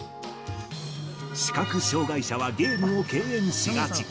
視覚障がい者はゲームを敬遠しがち。